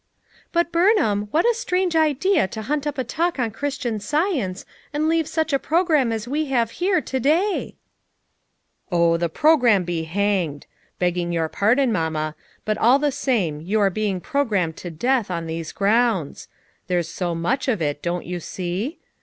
"But, Burnham, what a strange idea to hunt up a talk on Christian Science and leave such a program as we have here to day!" FOUR MOTHERS AT CHAUTAUQUA 77 "Oh, the program be hanged! begging your pardon, Maninia ; but all the same you are being programmed to death on these grounds; there's so much of it, don't you see?